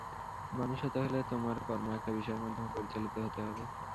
মানুষ হতে হলে, তোমার কর্ম একটা বিষয়ের মাধ্যমে পরিচালিত হতে হবে।